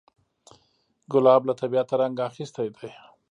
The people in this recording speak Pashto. ګلاب له طبیعته رنګ اخیستی دی.